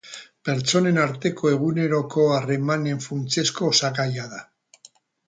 Pertsonen arteko eguneroko harremanen funtsezko osagaia da.